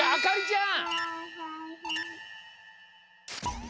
あかりちゃん。